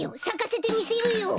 さかせてみせるよ！